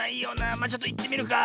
まあちょっといってみるか。